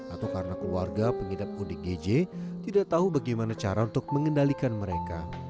atau karena keluarga pengidap odgj tidak tahu bagaimana cara untuk mengendalikan mereka